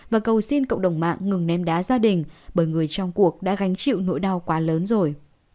và cầu xin cộng đồng mạng ngừng ném đá gia đình bởi người trong cuộc đã gánh chịu nỗi đau quá lớn rồi